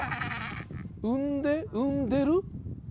産んで産んでる？